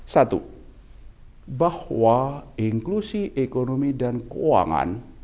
satu bahwa inklusi ekonomi dan keuangan